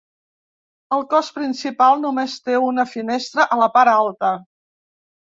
El cos principal només té una finestra a la part alta.